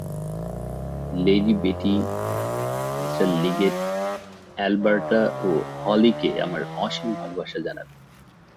Lady Betty, মি Leggett, Alberta ও হলিকে আমার অসীম ভালবাসা জানাবে।